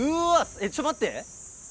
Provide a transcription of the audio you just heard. えっちょっと待って。